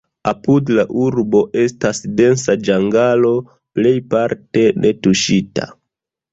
Apud la urbo estas densa ĝangalo, plejparte netuŝita.